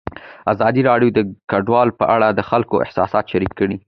ازادي راډیو د کډوال په اړه د خلکو احساسات شریک کړي.